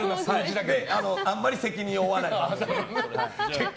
あんまり責任を負わない。